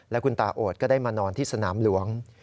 และคุณตาโอดก็ได้มานอนที่สนามหลวง